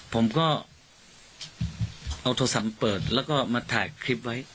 ผมก็เอาโทรศัพท์เปิดแล้วก็มาถ่ายคลิปไว้